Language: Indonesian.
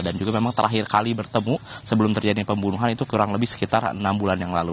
dan juga memang terakhir kali bertemu sebelum terjadi pembunuhan itu kurang lebih sekitar enam bulan yang lalu